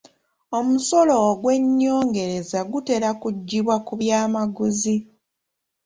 Omusolo ogw'ennyongereza gutera kuggyibwa ku byamaguzi.